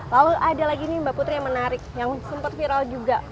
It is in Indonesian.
lalu ada lagi nih mbak putri yang menarik yang sempat viral juga